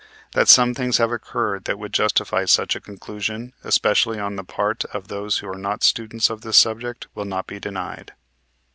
That some things have occurred that would justify such a conclusion, especially on the part of those who are not students of this subject, will not be denied.